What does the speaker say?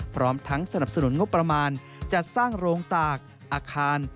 พร้อมทั้งสนับสนุนงบประมาณจัดสร้างโรงตากอาคาร